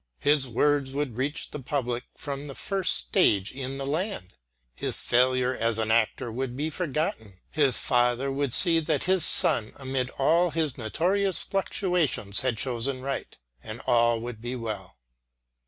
His words would reach the public from the first stage in the land; his failure as an actor would be forgotten; his father would see that his son amid all his notorious fluctuations had chosen right, and all would be well.